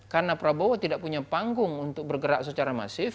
karena prabowo tidak punya panggung untuk bergerak secara masif